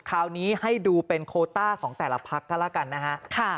คราวนี้ให้ดูเป็นโคต้าของแต่ละพักก็แล้วกันนะฮะ